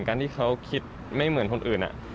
การที่เขาคิดไม่เหมือนคนอื่น